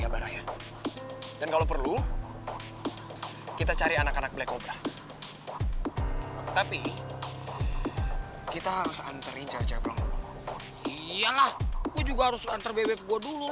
abaraya dan kalau perlu kita cari anak anak black cobra tapi kita harus anterincah cabang dulu iyalah